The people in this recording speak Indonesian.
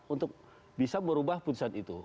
untuk bisa merubah putusan itu